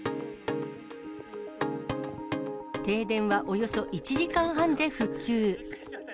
停電はおよそ１時間半で復旧。